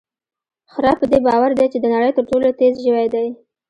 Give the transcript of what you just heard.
خره په دې باور دی چې د نړۍ تر ټولو تېز ژوی دی.